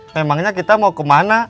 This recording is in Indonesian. memangnya kita mau kemana